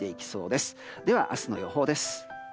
では、明日の予報です。